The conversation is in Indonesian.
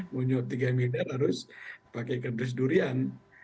munyut tiga miliar harus pakai kerdus durian